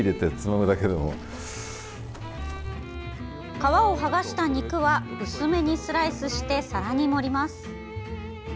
皮を剥がした肉は薄めにスライスして皿に盛ります。